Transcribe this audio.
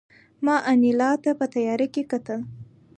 ما انیلا ته په تیاره کې کتل